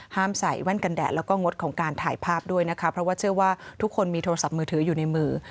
ใส่แว่นกันแดดแล้วก็งดของการถ่ายภาพด้วยนะคะเพราะว่าเชื่อว่าทุกคนมีโทรศัพท์มือถืออยู่ในมือ